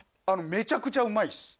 あのめちゃくちゃうまいっす。